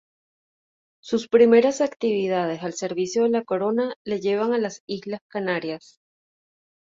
Sus primeras actividades al servicio de la corona le llevan a las Islas Canarias.